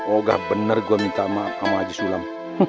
oh gak bener gue minta maaf sama haji sulam